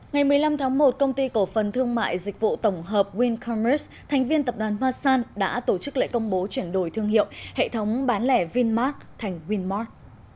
ngày một mươi năm tháng một công ty cổ phần thương mại dịch vụ tổng hợp wincommerce thành viên tập đoàn masan đã tổ chức lễ công bố chuyển đổi thương hiệu hệ thống bán lẻ vinmark thành winmart